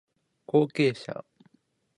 後継者